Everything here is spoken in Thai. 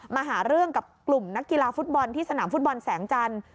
มาหาเรื่องกับกลุ่มนักกีฬาฟุตบอลที่สนามฟุตบอลแสงจันทร์